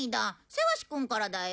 セワシくんからだよ。